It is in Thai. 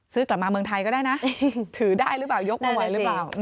กลับมาเมืองไทยก็ได้นะถือได้หรือเปล่ายกมาไหวหรือเปล่า